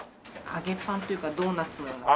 揚げパンというかドーナツのような。